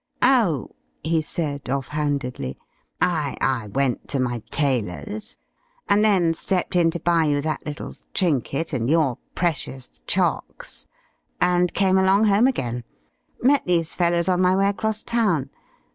"Oh," he said off handedly, "I I went to my tailor's. And then stepped in to buy you that little trinket and your precious chocs, and came along home again. Met these fellows on my way across town.